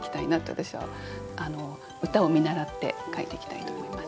私は歌を見習って書いていきたいと思います。